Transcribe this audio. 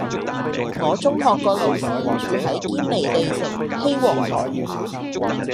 我中學個老師住喺堅尼地城羲皇臺